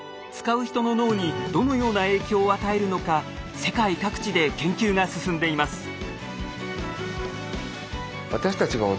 使う人の脳にどのような影響を与えるのか世界各地で研究が進んでいます。